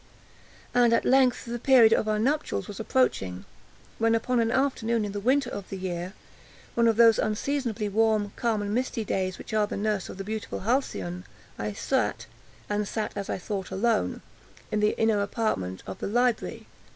And at length the period of our nuptials was approaching, when, upon an afternoon in the winter of the year—one of those unseasonably warm, calm, and misty days which are the nurse of the beautiful Halcyon (*1),—I sat, (and sat, as I thought, alone,) in the inner apartment of the library.